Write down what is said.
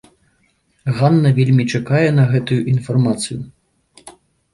Ганна вельмі чакае на гэтую інфармацыю.